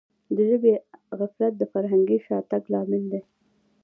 د ژبي غفلت د فرهنګي شاتګ لامل دی.